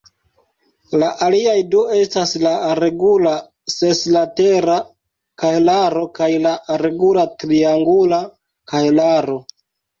La aliaj du estas la regula seslatera kahelaro kaj la regula triangula kahelaro.